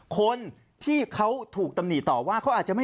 คนที่เขาถูกตำหนิต่อว่า